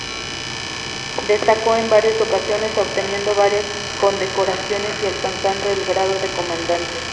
Destacó en varias ocasiones obteniendo varias condecoraciones y alcanzando el grado de comandante.